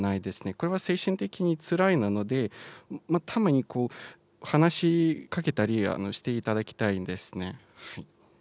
これは精神的につらいので、たまに話しかけたりしていただきたいんですね。